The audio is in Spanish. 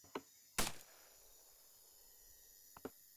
El resto fue derrotado.